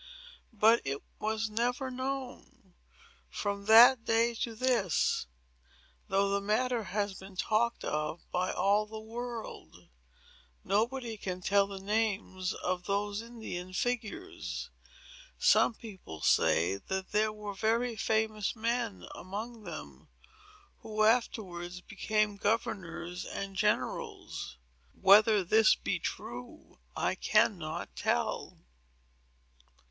But it was never known. From that day to this, though the matter has been talked of by all the world, nobody can tell the names of those Indian figures. Some people say that there were very famous men among them, who afterwards became governors and generals. Whether this be true, I cannot tell."